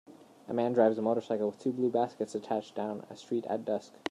A man drives a motorcycle with two blue baskets attached down a street at dusk.